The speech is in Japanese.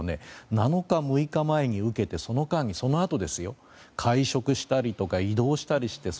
７日、６日前に受けてそのあと会食したり移動したりしてそ